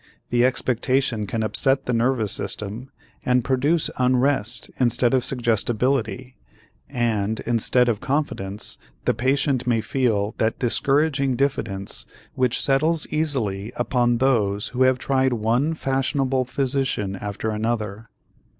The expectation can upset the nervous system and produce unrest instead of suggestibility and, instead of confidence, the patient may feel that discouraging diffidence which settles easily upon those who have tried one fashionable physician after another.